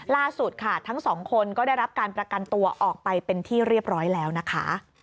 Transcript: ล่าสุดค่ะทั้งสองคนก็ได้รับการประกันตัวออกไปเป็นที่เรียบร้อยแล้วนะคะ